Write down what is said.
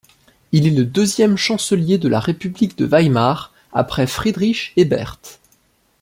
Il est le deuxième chancelier de la république de Weimar après Friedrich Ebert.